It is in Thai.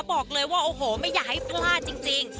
บอกเลยว่าโอ้โหไม่อยากให้พลาดจริง